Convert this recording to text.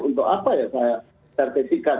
untuk apa ya saya sertifikat